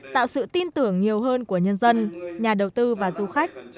tạo sự tin tưởng nhiều hơn của nhân dân nhà đầu tư và du khách